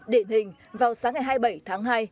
điển hình vào sáng ngày hai mươi bảy tháng hai